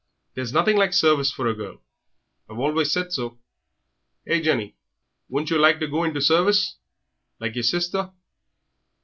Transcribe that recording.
There's nothing like service for a girl; I've always said so. Eh, Jenny, wouldn't yer like to go into service, like yer sister?